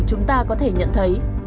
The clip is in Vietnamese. chúng ta có thể nhận thấy